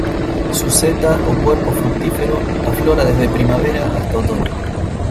Su seta, o cuerpo fructífero, aflora desde primavera hasta otoño.